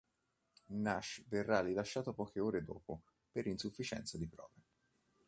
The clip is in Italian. Nash verrà rilasciato poche ore dopo per insufficienza di prove.